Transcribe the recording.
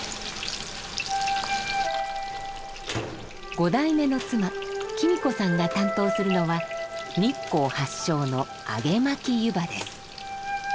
五代目の妻公子さんが担当するのは日光発祥の揚巻湯波です。